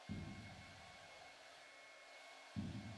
Bed kod luor .